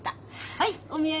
はいお土産。